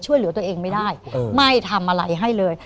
ช่วยเหลือตัวเองไม่ได้ไม่ทำอะไรให้เลย